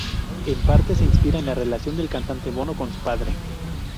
En parte, se inspira en la relación del cantante Bono con su padre.